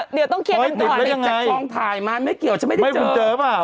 เดี๋ยวต้องเคลียร์กันก่อนติดจากกองถ่ายมาไม่เกี่ยวฉันไม่ได้เจอเจอหรือเปล่า